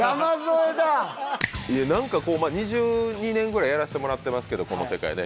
いやなんかこうまあ２２年ぐらいやらせてもらってますけどこの世界で。